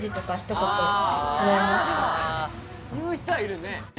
「言う人はいるね。